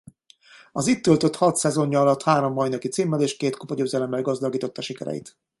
Az itt töltött hat szezonja alatt három bajnoki címmel és két kupagyőzelemmel gazdagította sikereit.